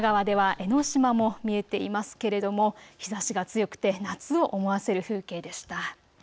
神奈川では江の島も見えていますけれども、日ざしが強くて夏を思わせる風景でした。